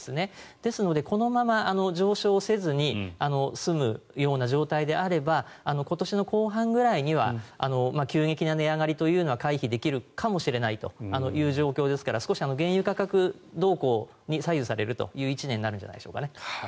ですので、このまま上昇せずに済む状態であれば今年の後半ぐらいには急激な値上がりというのは回避できるかもしれないという状況ですから少し原油価格動向に左右される１年になるんじゃないでしょうか。